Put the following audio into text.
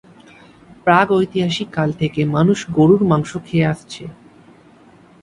প্রাগৈতিহাসিক কাল থেকে মানুষ গরুর মাংস খেয়ে আসছে।